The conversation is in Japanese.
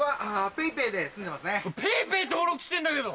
ＰａｙＰａｙ登録してんだけど！